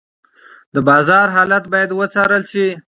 د بازار حالت باید وڅارل شي.